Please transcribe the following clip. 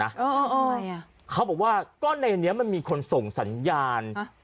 อ๋ออ๋ออ๋อทำไมอ่ะเขาบอกว่าก็ในนี้มันมีคนส่งสัญญาณฮะ